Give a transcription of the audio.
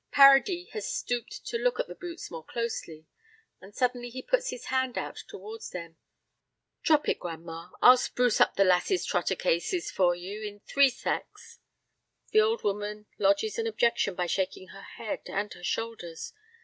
Paradis has stooped to look at the boots more closely, and suddenly he puts his hand out towards them. "Drop it, gran'ma; I'll spruce up your lass's trotter cases for you in three secs." The old woman lodges an objection by shaking her head and her shoulders.